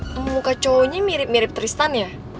tapi kok muka cowoknya mirip mirip tristan ya